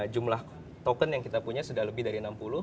jumlah token yang kita punya sudah lebih dari enam puluh